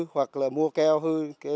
hoặc là mua keo hư